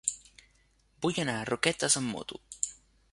Vull anar a Roquetes amb moto.